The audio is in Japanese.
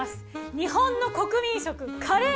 日本の国民食カレー！